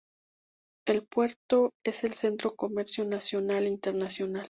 El puerto es centro de comercio nacional e internacional.